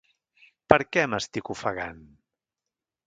Per què m'estic ofegant?